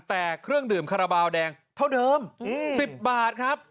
แต่เครื่องดื่มคาราบาลแดงเท่าเดิม๑๐บาทครับ